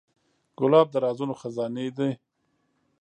ګلاب د رازونو خزانې ده.